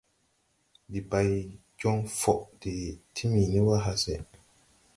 Ndi bay jɔŋ fɔʼɔ de timini wà hase.